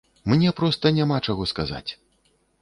Мне проста няма чаго сказаць.